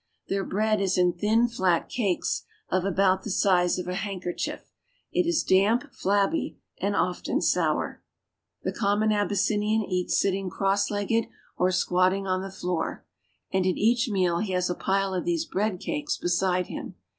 Their bread is in thin, flat cakes of about the size of a handkerchief; i is damp, flabby, and often sour. The common Abyssinian eats sitting cross legged o squatting on the floor, and at each meal he has a pile of these bread cakes beside him.